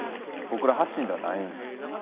僕ら発信ではないんですよね。